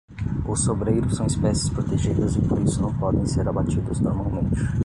Os sobreiros são espécies protegidas e por isso não podem ser abatidos normalmente.